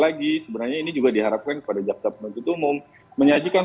ke depannya sekali lagi sebenarnya ini juga diharapkan kepada jaksa penuntut umum menyajikan